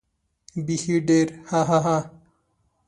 بېخي ډېر هههه.